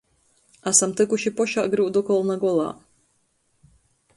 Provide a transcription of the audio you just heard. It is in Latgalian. Asam tykuši pošā gryudu kolna golā.